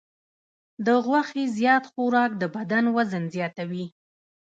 د غوښې زیات خوراک د بدن وزن زیاتوي.